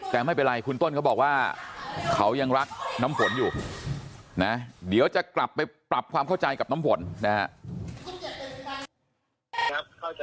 แต่ไม่เป็นไรคุณต้นเขาบอกว่าเขายังรักน้ำฝนอยู่นะเดี๋ยวจะกลับไปปรับความเข้าใจกับน้ำฝนนะครับ